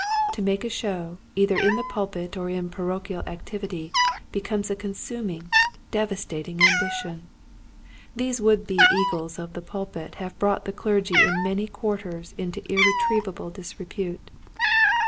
To make a show either in the pulpit or in parochial activity becomes a consuming, devastating ambition. These would be eagles of the pulpit have brought the clergy in many quarters into irretrievable disrepute.